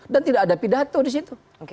dan tidak ada pidato di situ